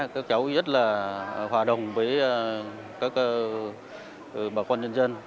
các cháu rất là hòa đồng với các bà con nhân dân